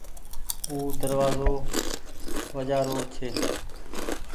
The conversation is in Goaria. او دروآزو وجهآ رو ڇي۔